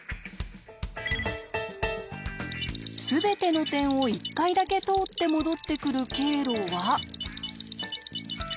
すべての点を１回だけ通って戻ってくる経路は。